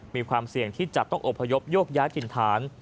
มีความเสี่ยงที่จะต้องอบพยพโยกย้ายถิ่นฐาน